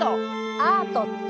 アートって？